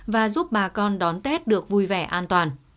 và giúp bà con đón tết được vui vẻ an toàn